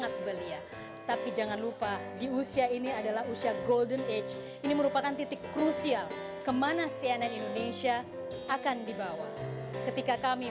terima kasih sekali ini bersama saya